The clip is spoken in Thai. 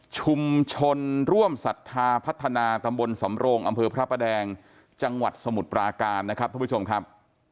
ชุมชนร่วมศรัทธาพัฒนาตำบลสำโรงอำเภอพระประแดงจังหวัดสมุทรปราการนะครับท่านผู้ชมครับ